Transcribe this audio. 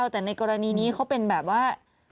แต่ในกรณีนี้เขาเป็นแบบว่า